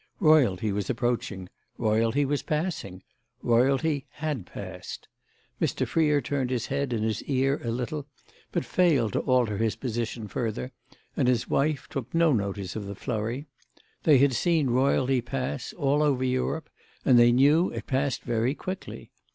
Royalty was approaching—royalty was passing—royalty had passed. Mr. Freer turned his head and his ear a little, but failed to alter his position further, and his wife took no notice of the flurry. They had seen royalty pass, all over Europe, and they knew it passed very quickly.